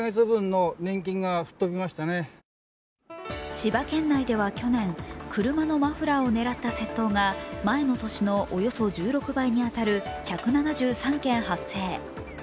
千葉県内では去年、車のマフラーを狙った窃盗が前の年のおよそ１６倍に当たる１７３件発生。